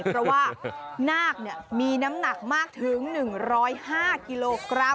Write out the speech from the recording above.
เพราะว่านาคมีน้ำหนักมากถึง๑๐๕กิโลกรัม